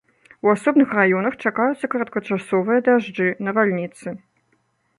У асобных раёнах чакаюцца кароткачасовыя дажджы, навальніцы.